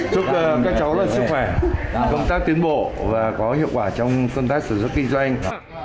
chúc các cháu sức khỏe công tác tiến bộ và có hiệu quả trong công tác sử dụng kinh doanh